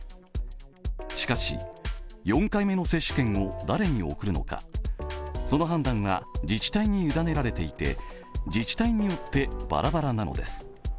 しかし、４回目の接種券を誰に送るのか、その判断は自治体に委ねられていて自治体によってばらばらなのです。